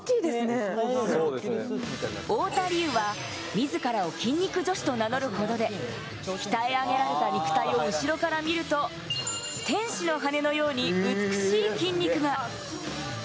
太田りゆは自らを筋肉女子と名乗るほどで、鍛え上げられた肉体を後ろから見ると、天使の羽のように美しい筋肉が。